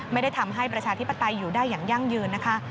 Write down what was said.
ไม่ได้ทำให้ประชาธิปไตยอยู่ได้อย่างยั่งยืนนะคะ